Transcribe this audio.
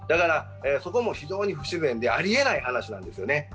そこも非常に不自然で、ありえない話なんですよね。